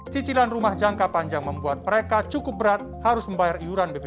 cicilan rumah jangka panjang membuat mereka cukup berat harus membayar iuran bpjs